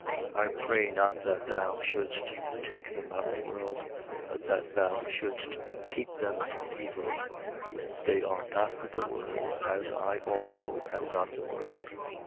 17:15. I pray not that thou shouldst take them out of the world, but that thou shouldst keep them from evil. 17:16. They are not of the world, as I also am not of the world.